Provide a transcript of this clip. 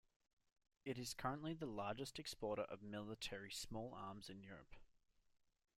It is currently the largest exporter of military small arms in Europe.